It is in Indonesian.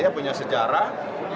punya sejarah dua ribu sembilan